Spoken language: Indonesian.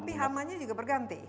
tapi hamanya juga berganti